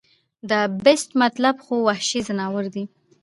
د The Beast مطلب خو وحشي ځناور دے